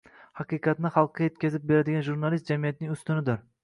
Haqiqatni xalqqa yetyazib beradigan jurnalist jamiyatning ustunidir